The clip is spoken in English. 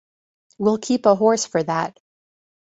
We’ll keep a horse for that.